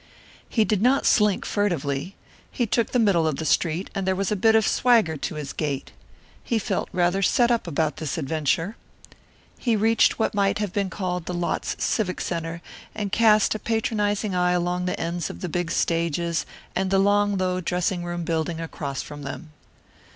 He did not slink furtively. He took the middle of the street and there was a bit of swagger to his gait. He felt rather set up about this adventure. He reached what might have been called the lot's civic centre and cast a patronizing eye along the ends of the big stages and the long, low dressing room building across from them.